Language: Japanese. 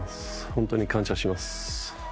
本当に感謝します。